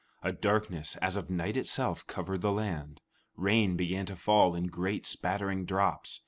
A darkness as of night itself covered the land. Rain began to fall in great spattering drops.